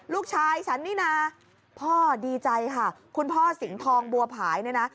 ลูกชายฉันนี่นาพ่อดีใจค่ะคุณพ่อสิงทองบัวผายนะ